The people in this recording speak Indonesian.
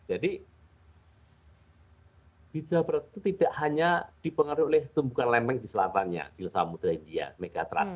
jadi di jawa barat itu tidak hanya dipengaruhi oleh tumbukan lembeng di selantannya di lusamutra di megatrash